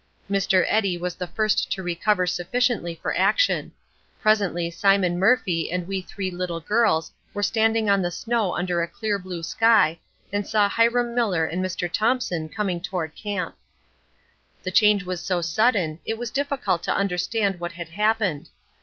Mr. Eddy was the first to recover sufficiently for action. Presently Simon Murphy and we three little girls were standing on the snow under a clear blue sky, and saw Hiram Miller and Mr. Thompson coming toward camp. The change was so sudden it was difficult to understand what had happened.